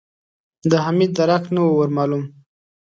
د حميد درک نه و ور مالوم.